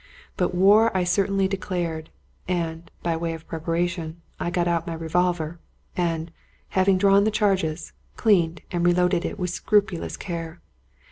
But war I certainly de clared; and, by way of preparation, I got out my revolver, and, having drawn the charges, cleaned and reloaded it with scrupulous care.